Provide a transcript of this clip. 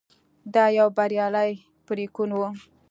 دا یو بریالی پرېکون و.